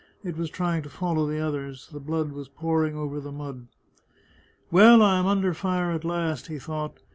It was trying" to follow the others. The blood was pouring over the mud. " Well, I am under fire at last," he thought.